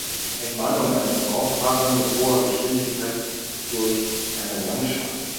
Ein Mann und eine Frau fahren mit hoher Geschwindigkeit durch eine Landschaft.